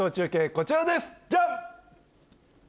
こちらですジャン！